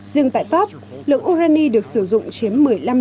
dường tại pháp lượng urani được sử dụng chiếm một mươi năm một mươi bảy